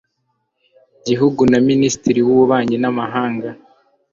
gihugu na minisitiri w ububanyi n amahanga